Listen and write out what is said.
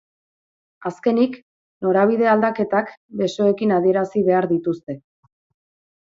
Azkenik, norabide aldaketak besoekin adierazi behar dituzte.